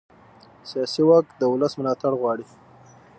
سیاسي واک د ولس ملاتړ غواړي